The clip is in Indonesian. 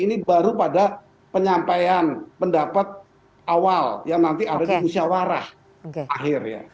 ini baru pada penyampaian pendapat awal yang nanti ada di musyawarah akhir ya